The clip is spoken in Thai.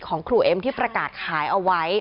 ของครูเอ็มที่ประกาศขายเอาไว้